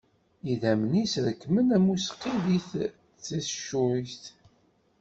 Idammen-is rekkmen am useqqi di teccuyt.